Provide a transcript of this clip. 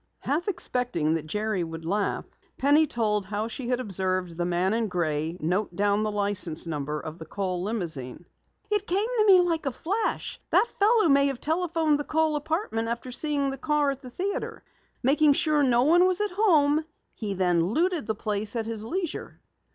Half expecting that Jerry would laugh, Penny told how she had observed the man in gray note down the license number of the Kohl limousine. "It came to me like a flash! That fellow may have telephoned the Kohl apartment after seeing the car at the theatre. Making sure no one was at home, he then looted the place at his leisure."